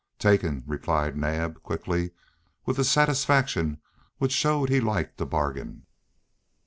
"Taken," replied Naab, quickly, with a satisfaction which showed he liked a bargain.